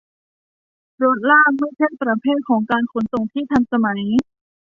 รถลากไม่ใช่ประเภทของการขนส่งที่ทันสมัย